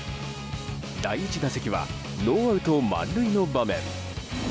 第１打席はノーアウト満塁の場面。